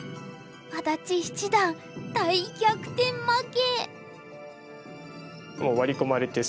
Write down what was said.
安達七段大逆転負け。